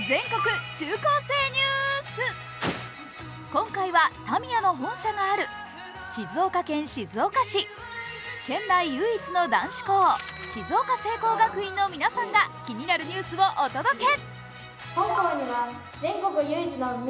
今回はタミヤの本社がある静岡県静岡市、県内唯一の男子校、静岡聖光学院の皆さんが気になるニュースをお届け。